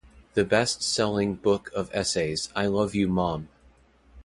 The best-selling book of essays I Love You, Mom!